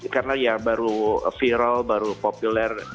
karena ya baru viral baru populer